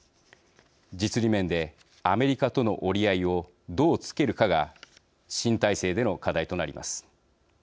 実利面でアメリカとの折り合いをどうつけるかが新体制での課題となります。